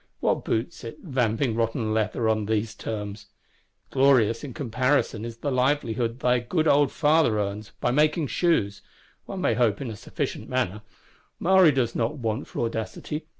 What boots it, vamping rotten leather on these terms? Glorious in comparison is the livelihood thy good old Father earns, by making shoes,—one may hope, in a sufficient manner. Maury does not want for audacity.